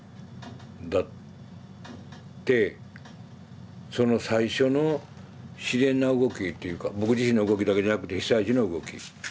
だってその最初の自然な動きっていうか僕自身の動きだけじゃなくて被災地の動き